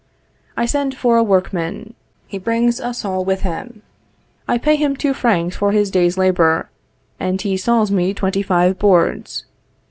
I send for a workman; he brings a saw with him; I pay him two francs for his day's labor, and he saws me twenty five boards.